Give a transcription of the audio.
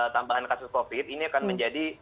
tambahan kasus covid ini akan menjadi